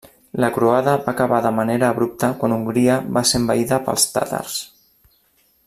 La croada va acabar de manera abrupta quan Hongria va ser envaïda pels tàtars.